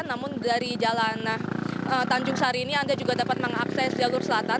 namun dari jalan tanjung sari ini anda juga dapat mengakses jalur selatan